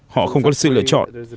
họ không có sự lựa chọn